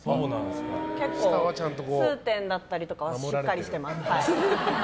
結構、痛点とかだったりはしっかりしてます。